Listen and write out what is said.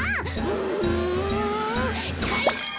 うんかいか！